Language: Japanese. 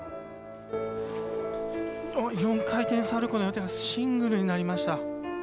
お、４回転サルコウの予定がシングルになりました。